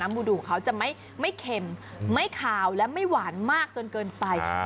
หมูดูเขาจะไม่เค็มไม่ขาวและไม่หวานมากจนเกินไป